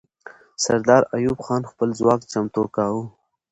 سردار ایوب خان خپل ځواک چمتو کاوه.